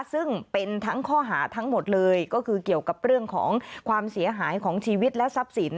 ซึ่งเป็นทั้งข้อหาทั้งหมดเลยก็คือเกี่ยวกับเรื่องของความเสียหายของชีวิตและทรัพย์สิน